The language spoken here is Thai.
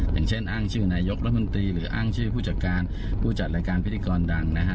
อย่างเช่นอ้างชื่อนายกรัฐมนตรีหรืออ้างชื่อผู้จัดการผู้จัดรายการพิธีกรดังนะฮะ